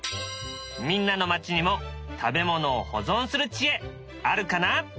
みんなの町にも食べ物を保存する知恵あるかな？